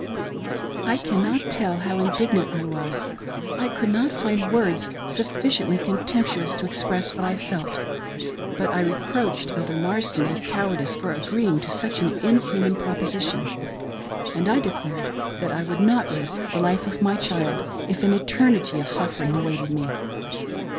I cannot tell how indignant I was ; I could not find words sufficiently contemptuous to express what I felt, but I re proached Elder Marsden with cowardice for agreeing to such an inhuman proposition, and I declared that I would not risk the life of my child if an eternity of suffering awaited me. NOT QUITE A SLAVE.